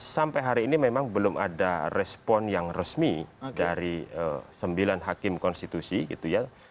sampai hari ini memang belum ada respon yang resmi dari sembilan hakim konstitusi gitu ya